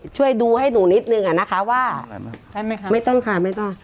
ช่วยดูให้หนูนิดนึงนะคะไม่ต้องค่ะ